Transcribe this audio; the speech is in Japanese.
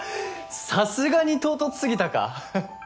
さすがに唐突すぎたかははっ。